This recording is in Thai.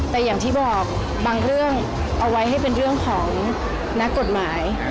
แต่อย่างที่บอกบางเรื่องเอาไว้ให้เป็นเรื่องของนักกฎหมาย